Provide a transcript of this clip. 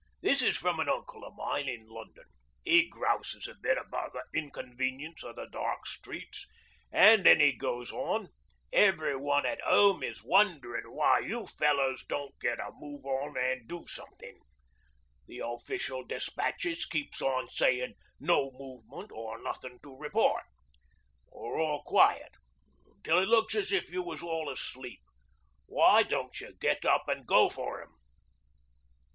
This is from an uncle o' mine in London. 'E grouses a bit about the inconvenience o' the dark streets, an' then 'e goes on, "Everyone at 'ome is wonderin' why you fellows don't get a move on an' do somethin'. The official despatches keeps on sayin' 'no movement,' or 'nothin' to report,' or 'all quiet,' till it looks as if you was all asleep. Why don't you get up an' go for 'em?"'